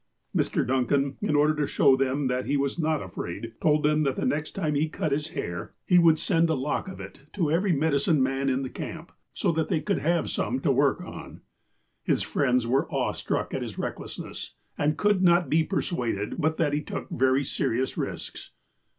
Mr. Duncan, in order to show them that he was not afraid, told them that the next time he cut his hair, he 98 THE APOSTLE OF ALASKA would send a lock of it to every medicine man in the camp, so that they could have some to work on. His friends were awe struck at his recklessness, and could not be persuaded but that he took very serious risks.